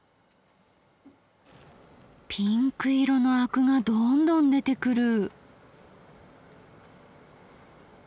ピンク色のアクがどんどん出てくる。